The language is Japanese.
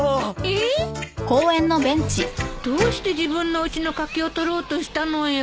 えっ！？どうして自分のうちの柿をとろうとしたのよ？